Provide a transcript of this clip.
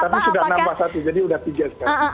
tapi sudah enam satu jadi sudah tiga sekarang